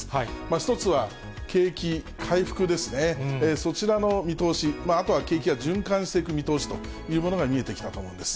１つは景気回復ですね、そちらの見通し、あとは景気が循環していく見通しというものが見えてきたと思うんです。